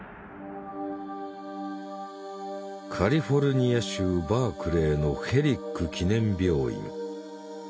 カリフォルニア州バークレーのヘリック記念病院。